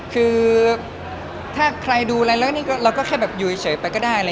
คือถ้าใครดูอะไรแล้วนี่เราก็แค่แบบอยู่เฉยไปก็ได้